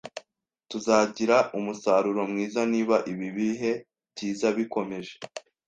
Tuzagira umusaruro mwiza niba ibi bihe byiza bikomeje